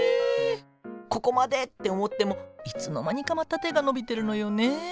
ここまでって思ってもいつの間にかまた手が伸びてるのよねえ。